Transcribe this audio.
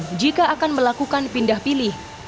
jika tidak mereka akan melakukan pindah pilih